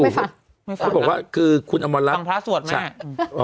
ฟังพระสวดไหม